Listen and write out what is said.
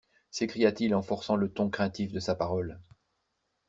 S'écria-t-il en forçant le ton craintif de sa parole.